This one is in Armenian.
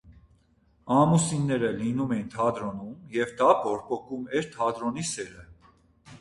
Ամուսինները լինում էին թատրոնում, և դա բորբոքում էր թատրոնի սերը։